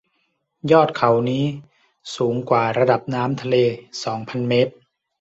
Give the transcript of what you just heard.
ยอดเขานี้สูงกว่าระดับน้ำทะเลสองพันเมตร